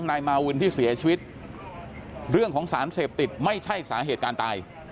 นายมาวินที่เสียชีวิตเรื่องของสารเสพติดไม่ใช่สาเหตุการณ์ตาย